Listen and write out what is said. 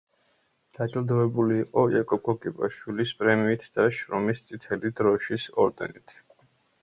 დაჯილდოვებული იყო იაკობ გოგებაშვილის პრემიით და შრომის წითელი დროშის ორდენით.